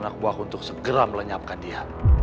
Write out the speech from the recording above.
anak buah untuk segera melenyapkan dia